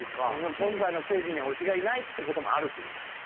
今回のステージには推しがいないって事もあるって事だ。